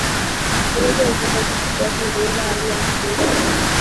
utunzaji wa fedha utasaidia kupunguza gharama za kutengeneza noti na sarafu mpya